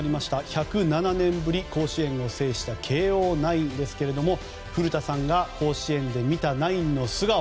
１０７年ぶり、甲子園を制した慶応ナインですが古田さんが甲子園で見たナインの素顔。